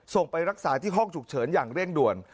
ไปรักษาที่ห้องฉุกเฉินอย่างเร่งด่วน